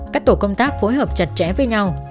các tổ công tác phối hợp chặt chẽ với nhau